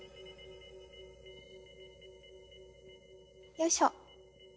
よいしょ。